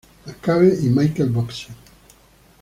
McCabe y Michael Boxer.